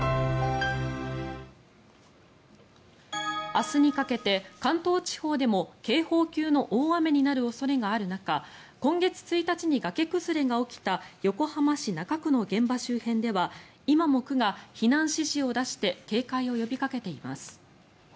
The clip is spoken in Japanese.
明日にかけて関東地方でも警報級の大雨になる恐れがある中今月１日に崖崩れが起きた横浜市中区の現場周辺では今も区が避難指示を出して警戒を呼びかけています。